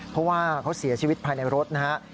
เพราะว่าเขาเสียชีวิตภายในรถนะฮะ